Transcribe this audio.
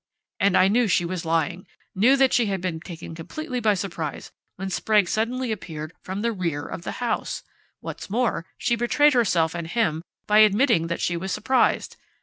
And I knew she was lying, knew that she had been taken completely by surprise when Sprague suddenly appeared from the rear of the house! What's more, she betrayed herself and him by admitting that she was surprised.